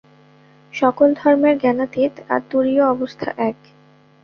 সকল ধর্মের জ্ঞানাতীত বা তুরীয় অবস্থা এক।